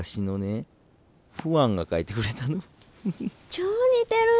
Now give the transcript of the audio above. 超似てる！